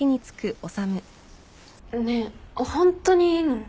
ねえホントにいいの？